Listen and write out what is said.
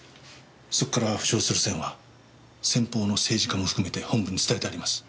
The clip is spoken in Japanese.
そこから浮上するセンは先方の政治家も含めて本部に伝えてあります。